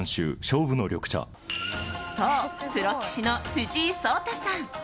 そう、プロ棋士の藤井聡太さん。